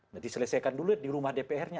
nah diselesaikan dulu di rumah dpr nya